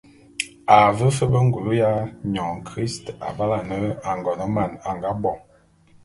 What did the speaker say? A ve fe be ngule ya nyôn christ avale ane Angoneman a nga bo.